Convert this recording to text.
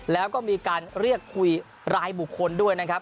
แล้วก็มีการเรียกคุยรายบุคคลด้วยนะครับ